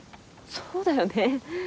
そうだよね。